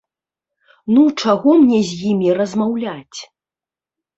Ну чаго мне з імі размаўляць?